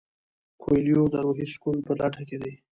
کویلیو د روحي سکون په لټه کې دی.